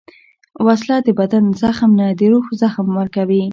وسله د بدن زخم نه، د روح زخم ورکوي